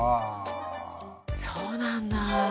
そうなんだあ。